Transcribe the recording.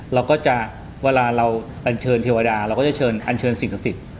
เราก็จะเวลาเราอันเชิญเทวดาเราก็จะเชิญอันเชิญสิ่งศักดิ์สิทธิ์